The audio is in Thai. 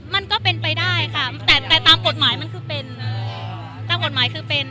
มันก็เป็นไปได้ค่ะแต่ตามปฏิสิทธิ์มันคือเป็น